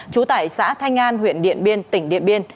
trú tại xã thanh an huyện điện biên tỉnh điện biên